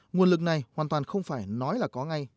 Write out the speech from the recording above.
nguồn lực này hoàn toàn không phải nói là có ngay